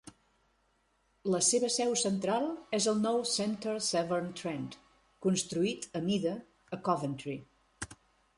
La seva seu central és el nou "Centre Severn Trent" construït a mida a Coventry.